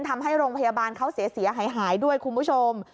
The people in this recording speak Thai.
ทำให้โรงพยาบาลเขาเสียหายด้วยคุณผู้ชม